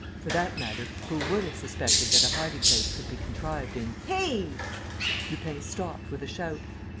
For that matter, who would have suspected that a hiding place could be contrived in ..." Lupin stopped, with a shout.